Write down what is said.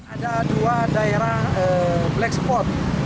ada dua daerah black spot